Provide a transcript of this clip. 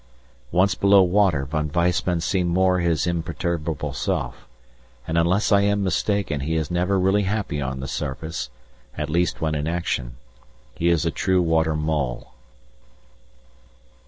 Once below water Von Weissman seemed more his imperturbable self, and unless I am mistaken he is never really happy on the surface, at least when in action. He is a true water mole.